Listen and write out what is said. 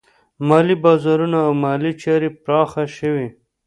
مالي بازارونه او مالي چارې پراخه شوې.